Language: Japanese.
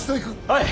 はい！